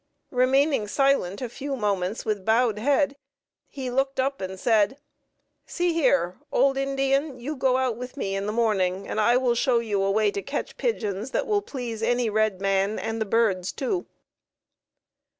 Remaining silent a few moments with bowed head, he looked up and said, "See here, old Indian, you go out with me in the morning and I will show you a way to catch pigeons that will please any red man and the birds, too."